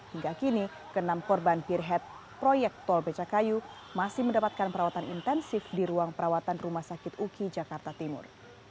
hingga kini ke enam korban pierhead proyek tol becakayu masih mendapatkan perawatan intensif di ruang perawatan rumah sakit uki jakarta timur